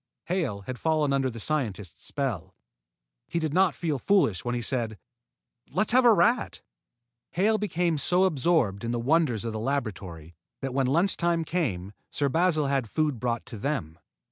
Hale had fallen under the scientist's spell. He did not feel foolish when he said: "Let's have a rat!" Hale became so absorbed in the wonders of the laboratory that when lunch time came, Sir Basil had food brought to them.